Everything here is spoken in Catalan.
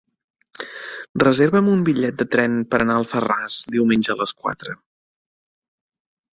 Reserva'm un bitllet de tren per anar a Alfarràs diumenge a les quatre.